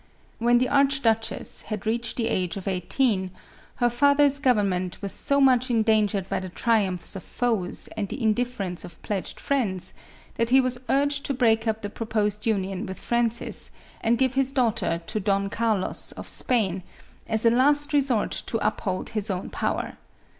When the archduchess had reached the age of eigh teen, her father's government was so much endangered by the triumphs of foes and the indifference of pledged friends, that he was urged to break up the proposed union with Francis, and give his daughter to Don Car los, of Spain, as a last resort to uphold his own power.